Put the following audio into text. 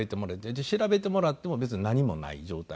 で調べてもらっても別に何もない状態で。